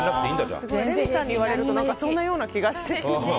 レミさんに言われるとそんなような気がしてきますね。